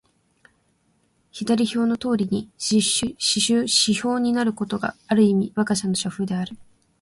左表のとおりの支出になることが、ある意味わが社の社風である。